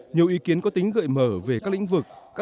nhiều ý kiến có tính gợi mở về các lĩnh vực